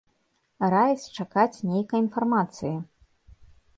Раяць чакаць нейкай інфармацыі.